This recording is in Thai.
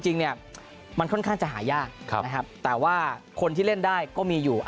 จริงเนี่ยมันค่อนข้างจะหายากนะครับแต่ว่าคนที่เล่นได้ก็มีอยู่